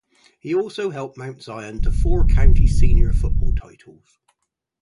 He also helped Mount Sion to four county senior football titles.